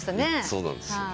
そうなんですよ。